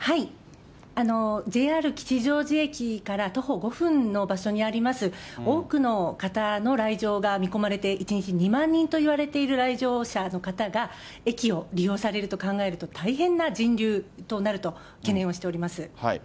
ＪＲ吉祥寺駅から徒歩５分の場所にあります、多くの方の来場が見込まれて、１日２万人といわれている来場者の方が駅を利用されると考えると、大変な人流となると懸念をしております。